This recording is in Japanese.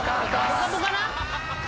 『ぽかぽか』な？